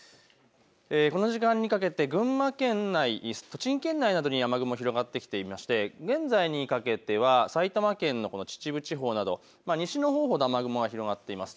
この時間にかけて群馬県内、栃木県内などには雨雲が広がってきていまして現在にかけて埼玉県のほう、秩父地方など西のほう、雨雲が広がっています。